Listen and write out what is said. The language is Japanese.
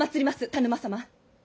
田沼様。